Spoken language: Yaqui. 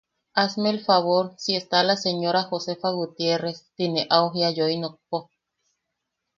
Hazme el favor si está la señora Josefa Gutierrez ti ne au jia yoi nokpo.